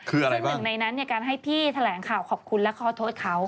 คือหนึ่งในนั้นการให้พี่แถลงข่าวขอบคุณและขอโทษเขา